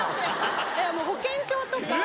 いやもう保険証とか。